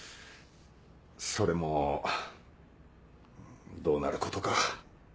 それもどうなることか。